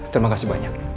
terima kasih banyak